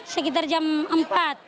sekitar jam empat